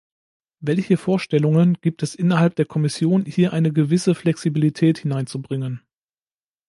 Welche Vorstellungen gibt es innerhalb der Kommission, hier eine gewisse Flexibilität hineinzubringen?